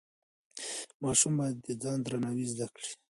ماشوم باید د ځان درناوی زده کړي.